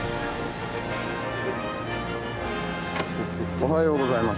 おはようございます。